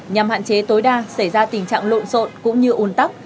nhằm hạn chế tối đa xảy ra tình trạng lộn xộn cũng như ồn tóc